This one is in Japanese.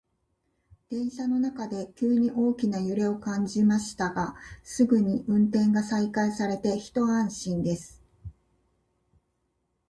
電車の中で急に大きな揺れを感じましたが、すぐに運転が再開されて一安心です。